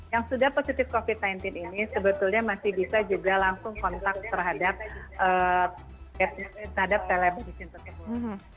yang sudah positif covid sembilan belas ini sebetulnya masih bisa juga langsung kontak terhadap telemedicine tersebut